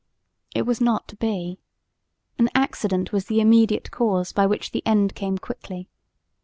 It was not to be; an accident was the immediate cause by which the end came quickly.